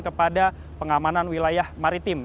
kepada pengamanan wilayah maritim